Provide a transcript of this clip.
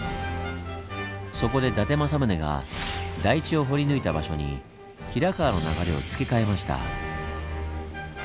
そこで伊達政宗が台地を掘り抜いた場所に平川の流れを付け替えました。